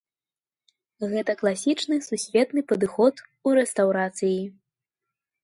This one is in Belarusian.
Гэта класічны сусветны падыход у рэстаўрацыі.